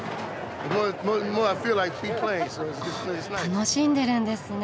楽しんでるんですね。